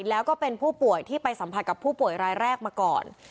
แล้วก็เป็นผู้ป่วยที่ไปสัมผัสกับผู้ป่วยรายแรกมาก่อน